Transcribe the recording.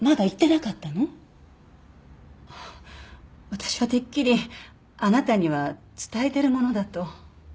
私はてっきりあなたには伝えてるものだと。